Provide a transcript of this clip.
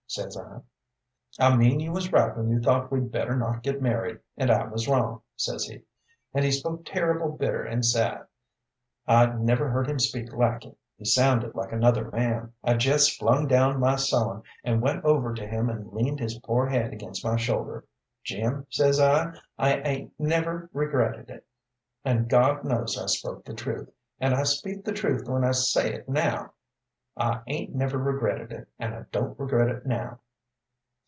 says I. "'I mean you was right when you thought we'd better not get married, and I was wrong,' says he; and he spoke terrible bitter and sad. I never heard him speak like it. He sounded like another man. I jest flung down my sewin' and went over to him, and leaned his poor head against my shoulder. 'Jim,' says I, 'I 'ain't never regretted it.' And God knows I spoke the truth, and I speak the truth when I say it now. I 'ain't never regretted it, and I don't regret it now."